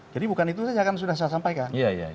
jadi bukan itu saja yang sudah saya sampaikan